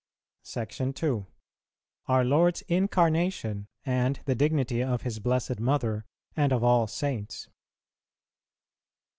SECTION II. OUR LORD'S INCARNATION AND THE DIGNITY OF HIS BLESSED MOTHER AND OF ALL SAINTS.